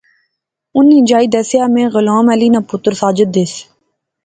اُنی جائی دسیا میں غلام علی ناں پتر ساجد دیس